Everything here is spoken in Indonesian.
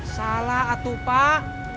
salah atuh pak